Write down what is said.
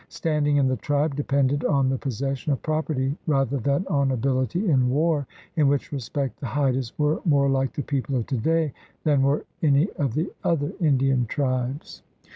Standing in the tribe depended on the possession of property rather than on ability in war, in which respect the Haidas were more like the people of today than were any of the other Indian tribes.